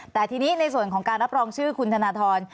แต่ทีนี้ในส่วนของการรับรองชื่อคุณธนทร